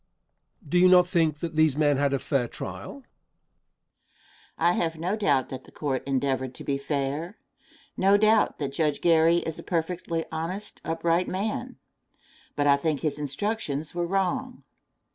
Question. Do you not think that these men had a fair trial? Answer. I have no doubt that the court endeavored to be fair no doubt that Judge Gary is a perfectly honest, upright man, but I think his instructions were wrong.